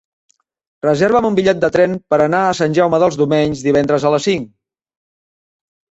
Reserva'm un bitllet de tren per anar a Sant Jaume dels Domenys divendres a les cinc.